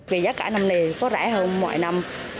vì giá cả năm nay có rẻ hơn mọi năm